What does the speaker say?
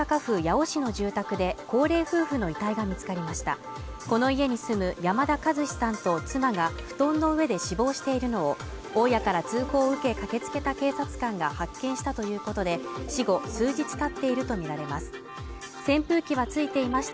この家に住む山田一志さんと妻が布団の上で死亡しているのを大家から通報を受け駆けつけた警察官が発見したということで死後数日たっていると見られます